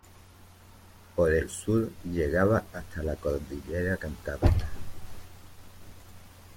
Por el sur llegaba hasta la cordillera Cantábrica.